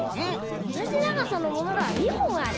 おなじながさのものが２ほんある。